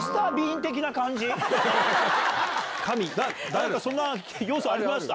誰かそんな要素ありました？